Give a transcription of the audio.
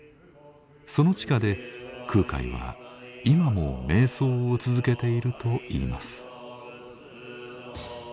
その地下で空海は今も瞑想を続けているといいます。